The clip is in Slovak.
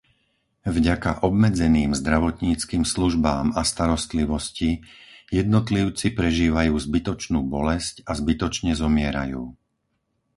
Vďaka obmedzeným zdravotníckym službám a starostlivosti jednotlivci prežívajú zbytočnú bolesť a zbytočne zomierajú.